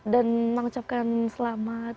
dan mengucapkan selamat